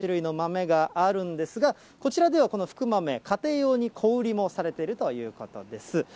そのほかにもさまざまな種類の豆があるんですが、こちらではこの福豆、家庭用に小売りもされているということです。